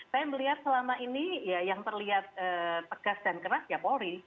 saya melihat selama ini ya yang terlihat tegas dan keras ya polri